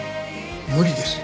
無理です。